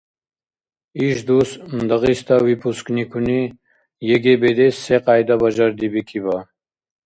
Ишдус Дагъиста выпускникуни ЕГЭ бедес секьяйда бажардибикиба?